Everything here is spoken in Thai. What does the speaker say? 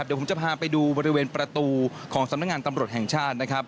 เดี๋ยวผมจะพาไปดูบริเวณประตูของสำนักงานตำรวจแห่งชาตินะครับ